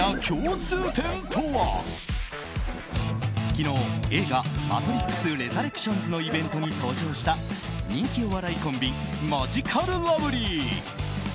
昨日、映画「マトリックスレザレクションズ」のイベントに登場した人気お笑いコンビマヂカルラブリー。